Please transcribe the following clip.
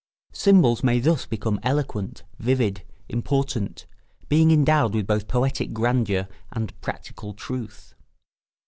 Symbols may thus become eloquent, vivid, important, being endowed with both poetic grandeur and practical truth.